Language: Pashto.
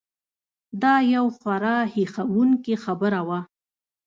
دا یو خورا هیښوونکې خبره وه.